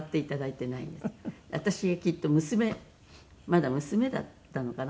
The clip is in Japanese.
私がきっと娘まだ娘だったのかな？